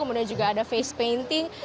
kemudian juga ada face painting